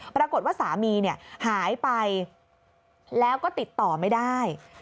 ปรากฏว่าสามีหายไปแล้วก็ติดต่อไม่ได้